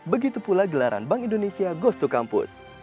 begitu pula gelaran bank indonesia ghost to campus